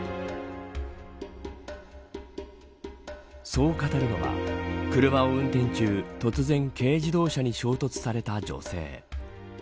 そう語るのは車を運転中、突然軽自動車に衝突された女性。